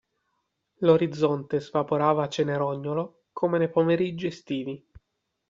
L'orizzonte svaporava cenerognolo come nei pomeriggi estivi.